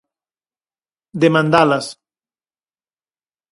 Demandalas.